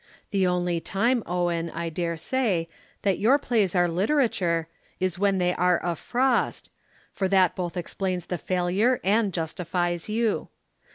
The only time, Owen, I dare say, that your plays are literature is when they are a frost, for that both explains the failure and justifies you.